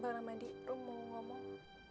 bang ramadi rum mau ngomong